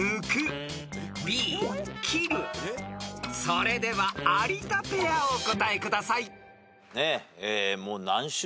［それでは有田ペアお答えください］